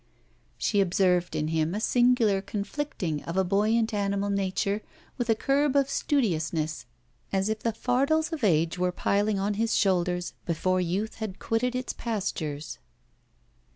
She observed in him a singular conflicting of a buoyant animal nature with a curb of studiousness, as if the fardels of age were piling on his shoulders before youth had quitted its pastures.